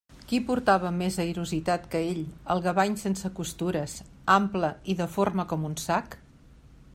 Qui portava amb més airositat que ell el gavany sense costures, ample i deforme com un sac?